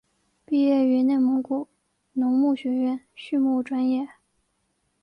毕业于内蒙古农牧学院畜牧专业。